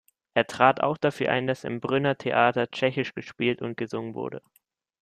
Er trat auch dafür ein, dass im Brünner Theater tschechisch gespielt und gesungen wurde.